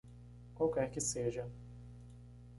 Qualquer que seja.